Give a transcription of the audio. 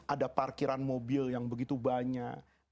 ada parkiran mobil yang begitu banyak